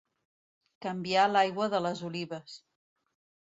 Canviar l'aigua de les olives.